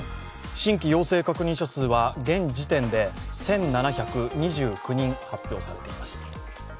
新規陽性確認者数は現時点で１７２９人発表されています。